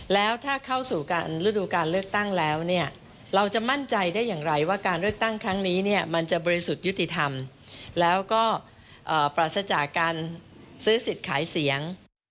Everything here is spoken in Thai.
แล้วถ้าเข้าสู่การฤดูการเลือกตั้งแล้วเนี่ยเราจะมั่นใจได้อย่างไรว่าการเลือกตั้งครั้งนี้เนี่ยมันจะบริสุทธิ์ยุติธรรมแล้วก็ปราศจากการซื้อสิทธิ์ขายเสียง